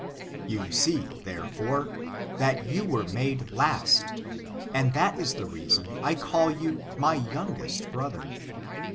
73 You see, therefore, that you were made last, and that is the reason I call you my youngest brother.